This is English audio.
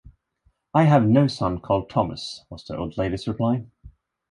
'I have no son called Thomas' was the old lady's reply.